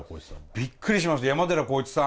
びっくりしました山寺宏一さん